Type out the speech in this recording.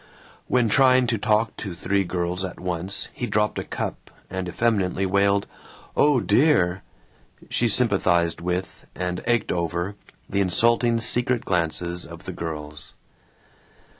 When, trying to talk to three girls at once, he dropped a cup and effeminately wailed, "Oh dear!" she sympathized with and ached over the insulting secret glances of the girls.